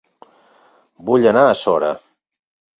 Vull anar a Sora